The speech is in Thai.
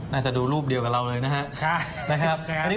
น่าจะดูรูปเดียวกับเราเลยนะฮะ